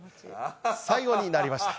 最後になりました。